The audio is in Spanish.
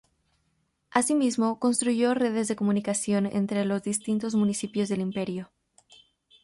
Asimismo, construyó redes de comunicación entre los distintos municipios del imperio.